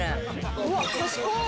うわっ賢っ！